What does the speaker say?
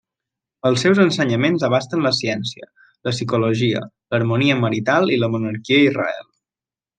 Els seus ensenyaments abasten la ciència, la psicologia, l'harmonia marital i la monarquia a Israel.